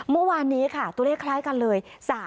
เมื่อวานนี้ค่ะตัวเลขคล้ายกันเลย